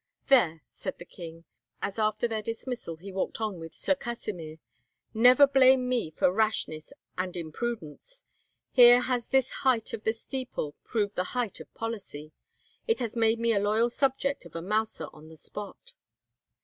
"There," said the king, as after their dismissal he walked on with Sir Kasimir, "never blame me for rashness and imprudence. Here has this height of the steeple proved the height of policy. It has made a loyal subject of a Mouser on the spot."